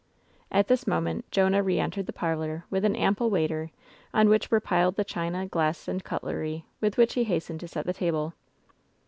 At this moment Jonah re entered the parlor with an ample waiter, on which were piled the china, glass and cutlery, with which he hastened to set the table.